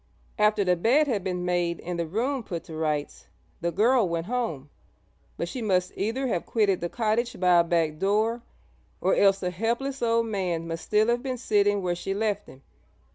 After the bed had been made and the room put to rights, the girl went home, but she must either have quitted the cottage by a back door, or else the helpless old man must still have been sitting where she left him.